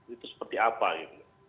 itu seperti apa itu